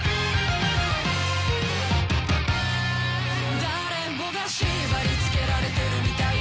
誰もが縛り付けられてるみたいだ